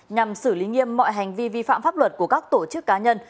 nhằm xử lý nghiêm mọi hành vi vi phạm pháp luật của các tổ chức cá nhân